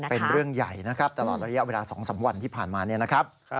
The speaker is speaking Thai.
เป็นเรื่องใหญ่นะครับตลอดระยะเวลา๒๓วันที่ผ่านมาเนี่ยนะครับ